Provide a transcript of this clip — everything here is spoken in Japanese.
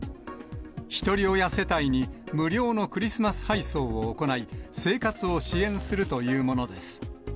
ひとり親世帯に無料のクリスマス配送を行い、生活を支援するというものです。